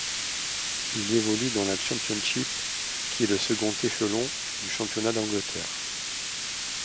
Il évolue dans la Championship qui est le second échelon du championnat d'Angleterre.